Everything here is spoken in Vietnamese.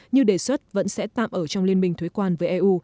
như đề xuất vẫn sẽ tạm ở trong liên minh thuế quan với eu